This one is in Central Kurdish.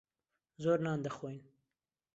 زۆر نان دەخۆین.